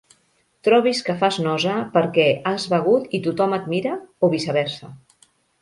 Trobis que fas nosa perquè has begut i tothom et mira, o viceversa.